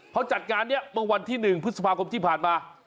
เขาจัดงานนี้เมื่อวันที่๑พฤษภาคมที่ผ่านมา